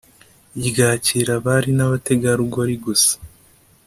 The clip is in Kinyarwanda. ryakira abari n’abategarugori gusa